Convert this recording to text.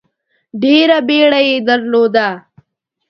ډېره بیړه یې درلوده.